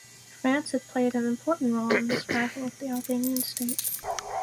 France had played an important role in the survival of the Albanian State.